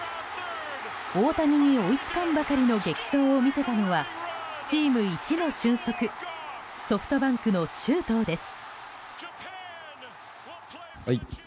大谷に追いつかんばかりの激走を見せたのはチーム一の俊足ソフトバンクの周東です。